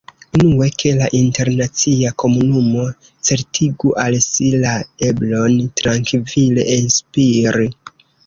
Unue, ke la internacia komunumo certigu al si la eblon trankvile “enspiri.